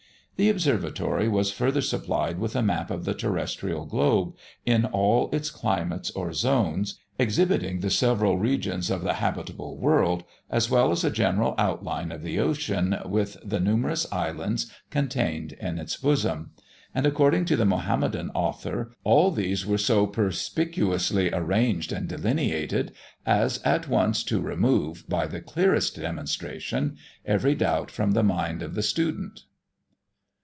The Observatory was further supplied with a map of the terrestrial globe, in all its climates or zones, exhibiting the several regions of the habitable world, as well as a general outline of the ocean, with the numerous islands contained in its bosom; and, according to the Mahomedan author, all these were so perspicuously arranged and delineated, as at once to remove, by the clearest demonstration, every doubt from the mind of the student.